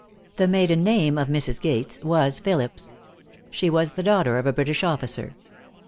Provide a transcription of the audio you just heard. The maiden name of Mrs. Gates was Phillips. She was the daughter of a British officer.